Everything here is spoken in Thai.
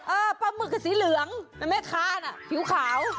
อ่ะปลาหมึกกับสีเหลืองนั้นไงขาน่ะขิวขาว